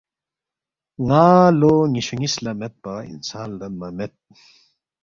ن٘ا لو نِ٘یشُو نِ٘یس لہ میدپا انسان لدنمہ مید